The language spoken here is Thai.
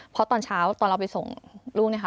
เพราะตอนเช้าตอนเราไปส่งลูกเนี่ยค่ะ